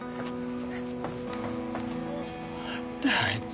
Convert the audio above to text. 何だよあいつ。